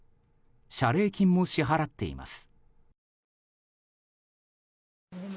謝礼金も支払っています。